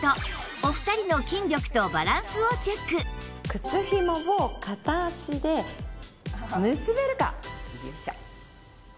靴ひもを片足で結べるか。